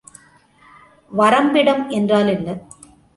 வரம்பிடம் என்றால் என்ன?